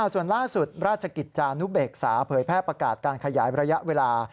ส่วนล่าสุดราชกิจจานุเบกษาเผยแพร่ประกาศการขยายระยะเวลา